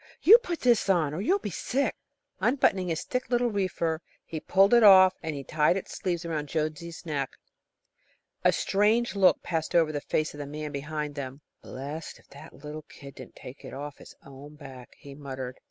put this on, or you'll be sick," Unbuttoning his thick little reefer, he pulled it off and tied its sleeves around Jonesy's neck. A strange look passed over the face of the man behind them. "Blessed if the little kid didn't take it off his own back," he muttered.